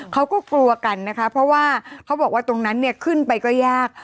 เขาก็กลัวกันนะคะเพราะว่าเขาบอกว่าตรงนั้นเนี่ยขึ้นไปก็ยาก